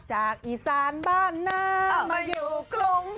จากอีซานบ้าน่ามาอยู่กลุ่ม